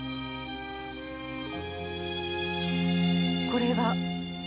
これは？